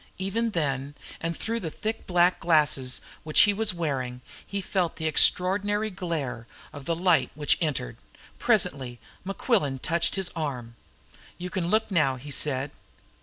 Even then, and through the thick black glasses which he was wearing, he felt the extraordinary glare of the light which entered. Presently Mequillen touched his arm. "You can look now," he said.